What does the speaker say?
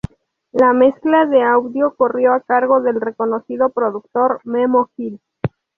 La mezcla de audio corrió a cargo del reconocido productor Memo Gil.